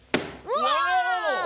うわ！